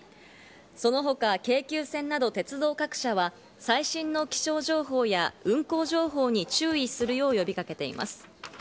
その他、京急線など鉄道各社は、最新の気象情報や運行情報に注意するよう呼びかけています。